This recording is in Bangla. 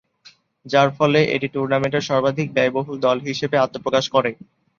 যার ফলে এটি টুর্নামেন্টের সর্বাধিক ব্যয়বহুল দল হিসেবে আত্মপ্রকাশ করে।